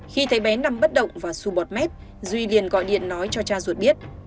khi thấy bé nằm bất động và su bọt mép duy điền gọi điện nói cho cha ruột biết